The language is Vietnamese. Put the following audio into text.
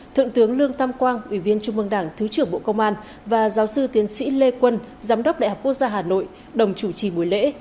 thượng tướng lương tam quang ủy viên trung mương đảng thứ trưởng bộ công an và giáo sư tiến sĩ lê quân giám đốc đại học quốc gia hà nội đồng chủ trì buổi lễ